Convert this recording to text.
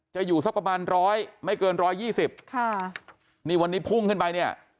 จะอยู่สักประมาณร้อยไม่เกินร้อยยี่สิบค่ะนี่วันนี้พุ่งขึ้นไปเนี่ย